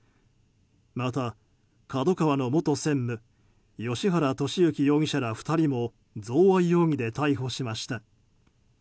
またＫＡＤＯＫＡＷＡの元専務芳原世幸容疑者ら２人も贈賄容疑で逮捕しました。